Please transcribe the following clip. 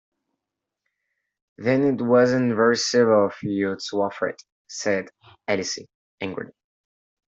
‘Then it wasn’t very civil of you to offer it,’ said Alice angrily.